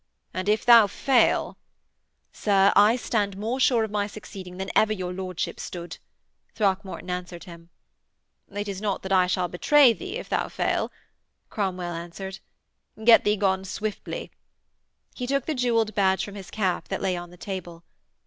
And if thou fail....' 'Sir, I stand more sure of my succeeding than ever your lordship stood,' Throckmorton answered him. 'It is not I that shall betray thee if thou fail,' Cromwell answered. 'Get thee gone swiftly....' He took the jewelled badge from his cap that lay on the table.